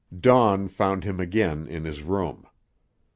Dawn found him again in his room.